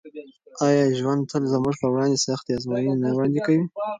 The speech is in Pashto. آیا ژوند تل زموږ پر وړاندې سختې ازموینې نه وړاندې کوي؟